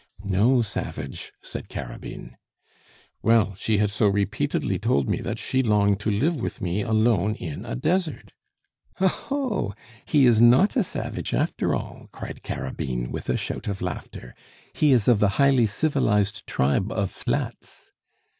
"No, savage!" said Carabine. "Well, she had so repeatedly told me that she longed to live with me alone in a desert " "Oh, ho! he is not a savage after all," cried Carabine, with a shout of laughter. "He is of the highly civilized tribe of Flats!"